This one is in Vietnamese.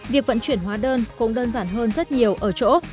việc vận chuyển hóa đơn cũng đơn giản hơn rất nhiều ở chỗ